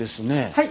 はい。